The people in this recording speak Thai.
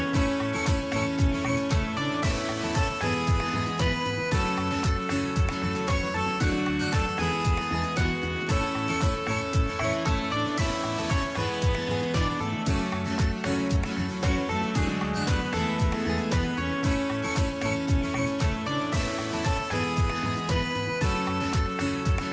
โปรดติดตามตอนต่อไป